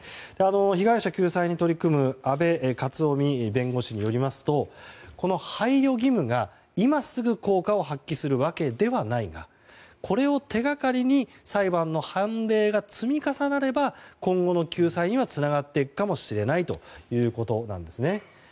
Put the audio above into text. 被害者救済に取り組む阿部克臣弁護士によりますと配慮義務が今すぐ効果を発揮するわけではないがこれを手掛かりに裁判の判例が積み重なれば今後の救済にはつながっていくかもしれないということなんです。